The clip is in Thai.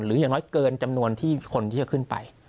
อย่างน้อยเกินจำนวนที่คนที่จะขึ้นไป